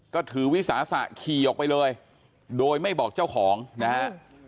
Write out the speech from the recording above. ก็ถือวิสาสะขี่ออกไปเลยโดยไม่บอกเจ้าของนะฮะ